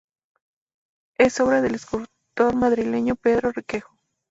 Es obra del escultor madrileño Pedro Requejo.